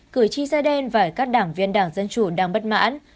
cửi chi da đen và các đảng viên đảng dân chủ đang bất mãn